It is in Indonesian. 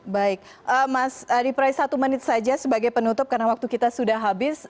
baik mas reproy satu menit saja sebagai penutup karena waktu kita sudah habis